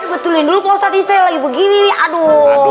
betulin dulu pak ustadz saya lagi begini aduh